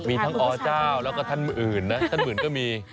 มีทั้งอเจ้าแล้วก็ท่านอื่นนะท่านอื่นก็มี